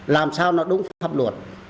làm sao nó đúng pháp luật